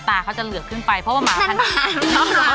ตาเขาจะเหลือขึ้นไปเพราะว่ามาทางน้ำตาล